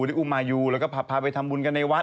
ได้อุมายูแล้วก็พาไปทำบุญกันในวัด